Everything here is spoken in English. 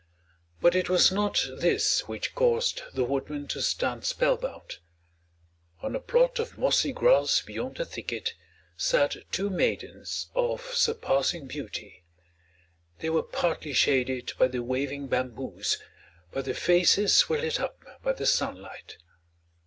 But it was not this which caused the woodman to stand spellbound. On a plot of mossy grass beyond the thicket, sat two maidens of surpassing beauty. They were partly shaded by the waving bamboos, but their faces were lit up by the sunlight.